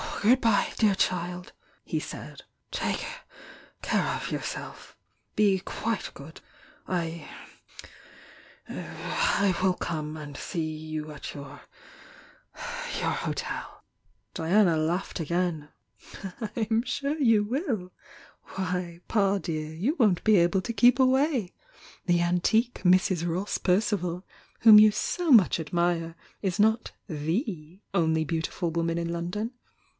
, "Good bye, dear child!" he said. "Take care of yourself! Be quite good! I— I will come and see you at your — your hotel." Diana laughed again. "I'm sure you will! Why, Pa dear, you won t be THE YOUNG DIANA 348 able to keep away! The anticiue Mrs. Ross Perci val, whom you so much admire, is not 'the' only beautiful woman in London!